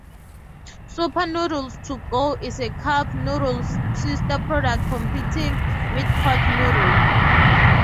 Super Noodles To Go is a cup noodle sister product, competing with Pot Noodle.